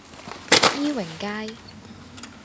伊榮街